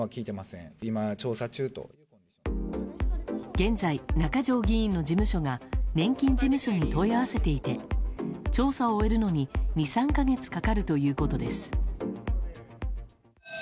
現在、中条議員の事務所が年金事務所に問い合わせていて調査を終えるのに２３か月かかるということです。